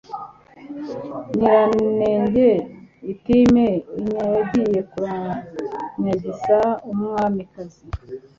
nyiranenge itim enya yagiye kurambvagisa umwamikazi